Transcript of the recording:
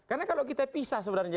karena kalau kita pisah sebenarnya